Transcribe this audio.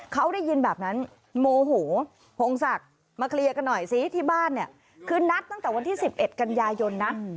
เขาได้ยินแบบนั้นโมโหพงศักดิ์มาเคลียร์กันหน่อยซิที่บ้านเนี่ยคือนัดตั้งแต่วันที่๑๑กันยายนนะ